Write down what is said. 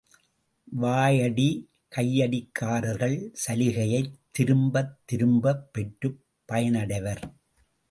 வாயடி, கையடிக்காரர்கள் சலுகையைத் திரும்பத் திரும்பப் பெற்றுப் பயனடைவர்.